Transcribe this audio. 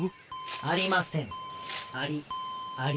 ありませんありあり。